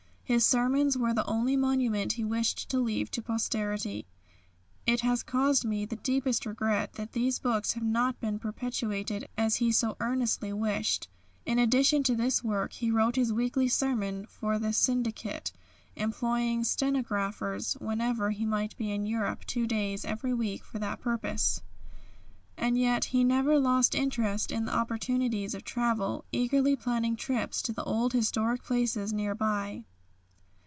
His sermons were the only monument he wished to leave to posterity. It has caused me the deepest regret that these books have not been perpetuated as he so earnestly wished. In addition to this work he wrote his weekly sermon for the syndicate, employing stenographers wherever he might be in Europe two days every week for that purpose. And yet he never lost interest in the opportunities of travel, eagerly planning trips to the old historic places near by.